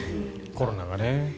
コロナがね。